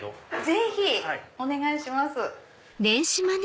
ぜひ！お願いします。